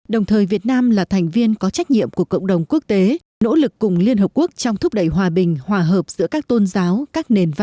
đồng thời việt nam là thành viên có trách nhiệm của cộng đồng quốc tế nỗ lực cùng liên hợp quốc trong thúc đẩy hòa bình hòa hợp giữa các tôn giáo các nền văn hóa